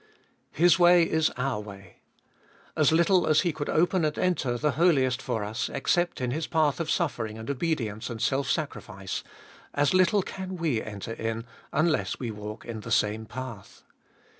His way is our way. As little as He could open and enter the Holiest for us, except in His path of suffering and obedience and self sacrifice, as little can we enter in unless we walk in the same path.